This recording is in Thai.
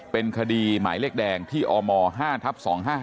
เป็นคดีหมายเลขแดงที่อม๕ทับ๒๕๕